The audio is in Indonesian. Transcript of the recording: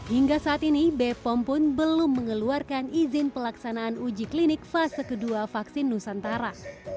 hingga saat ini bepom pun belum mengeluarkan izin pelaksanaan uji klinik fase kedua vaksin nusantara